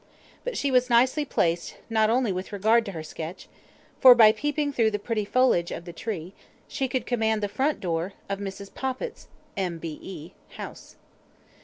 But she was nicely placed not only with regard to her sketch, for, by peeping through the pretty foliage of the tree, she could command the front door or Mrs. Poppit's (M.B.E.) house.